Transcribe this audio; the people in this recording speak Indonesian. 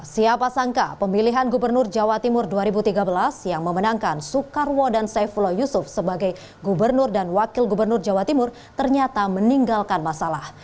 siapa sangka pemilihan gubernur jawa timur dua ribu tiga belas yang memenangkan soekarwo dan saifullah yusuf sebagai gubernur dan wakil gubernur jawa timur ternyata meninggalkan masalah